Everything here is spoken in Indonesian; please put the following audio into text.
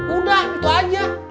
udah itu aja